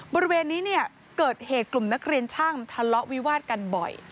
บริเวณนี้เนี่ยเกิดเหตุกลุ่มนักเรียนช่างทะเลาะวิวาดกันบ่อย